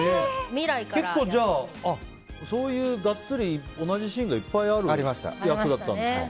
結構、そういうガッツリ同じシーンがいっぱいある役だったんだ。